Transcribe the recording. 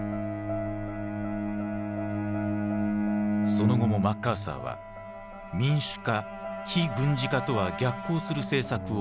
その後もマッカーサーは民主化非軍事化とは逆行する政策を打ち出していく。